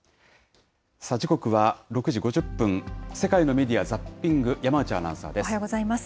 時刻は６時５０分、世界のメディア・ザッピング、山内アナウンサおはようございます。